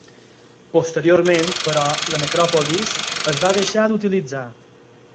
Posteriorment però la necròpolis es va deixar d'utilitzar.